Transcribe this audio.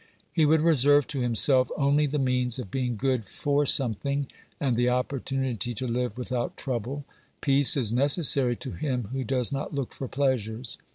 He would reserve to himself only the means of being good for something, and the opportunity to live without trouble ; peace is necessary to him who does not look for pleasures.